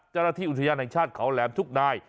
เจ้าหน้าที่อุทยานแห่งชาติเขาแหลมทุกนาย